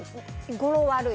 語呂悪い。